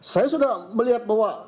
saya sudah melihat bahwa